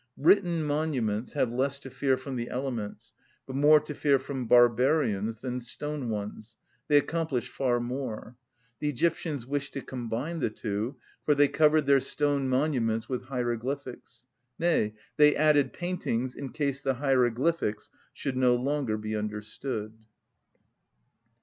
Written monuments have less to fear from the elements, but more to fear from barbarians, than stone ones; they accomplish far more. The Egyptians wished to combine the two, for they covered their stone monuments with hieroglyphics, nay, they added paintings in case the hieroglyphics should no longer be understood.